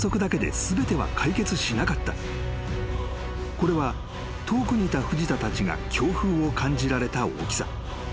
［これは遠くにいた藤田たちが強風を感じられた大きさ］